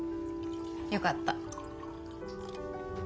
よかった。